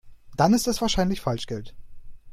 Dann ist es wahrscheinlich Falschgeld.